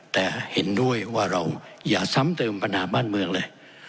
แต่เห็นด้วยว่าเราอย่าซ้ำเติมปัญหาบ้านเมืองเลย